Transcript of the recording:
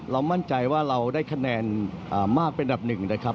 มั่นใจว่าเราได้คะแนนมากเป็นดับหนึ่งนะครับ